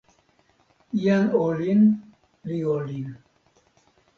jan olin li olin.